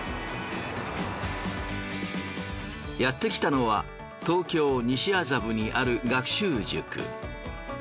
やってきたのは東京・西麻布にある学習塾。